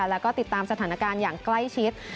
แล้วก็ติดตามสถานการณ์อย่างใกล้ชิด